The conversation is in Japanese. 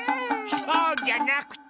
そうじゃなくて！